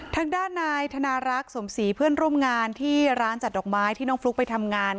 ทางด้านนายธนารักษ์สมศรีเพื่อนร่วมงานที่ร้านจัดดอกไม้ที่น้องฟลุ๊กไปทำงาน